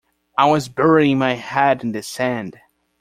I was burying my head in the sand.